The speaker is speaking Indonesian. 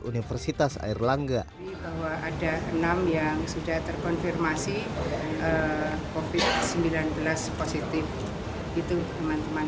universitas airlangga bahwa ada enam yang sudah terkonfirmasi covid sembilan belas positif itu teman teman